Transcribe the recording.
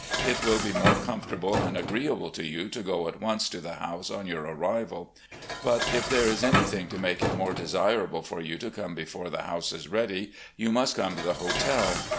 It will be more comfortable and agreeable to you to go at once to the house on your arrival. But if there is anything to make it more desirable for you to come before the house is ready, you must come to the hotel.